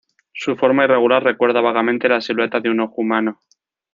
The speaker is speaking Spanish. Su forma irregular recuerda vagamente la silueta de un ojo humano.